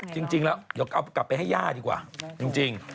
จริงแล้วเดี๋ยวเอากลับไปให้ย่าดีกว่าจริง